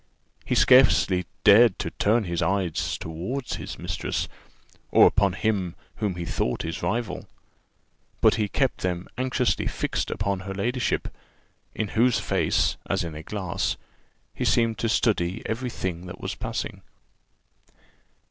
He scarcely dared to turn his eyes toward his mistress, or upon him whom he thought his rival: but he kept them anxiously fixed upon her ladyship, in whose face, as in a glass, he seemed to study every thing that was passing.